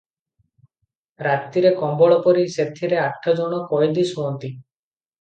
ରାତିରେ କମ୍ବଳ ପାରି ସେଥିରେ ଆଠଜଣ କଏଦୀ ଶୁଅନ୍ତି ।